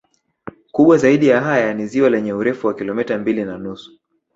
Kubwa zaidi ya haya ni ziwa lenye urefu wa kilometa mbili na nusu